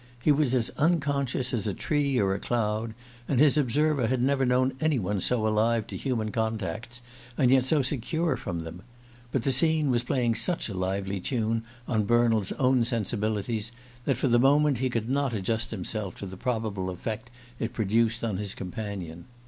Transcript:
He was as unconscious as a tree or a cloud, and his observer had never known any one so alive to human contacts and yet so secure from them. But the scene was playing such a lively tune on Bernald's own sensibilities that for the moment he could not adjust himself to the probable effect it produced on his companion.